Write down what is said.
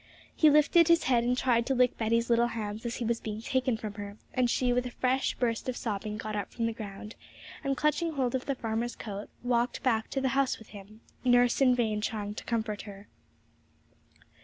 He lifted his head, and tried to lick Betty's little hands as he was being taken from her; and she with a fresh burst of sobbing got up from the ground, and clutching hold of the farmer's coat, walked back to the house with him, nurse trying in vain to comfort her.